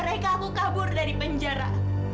mereka aku kabur dari penjara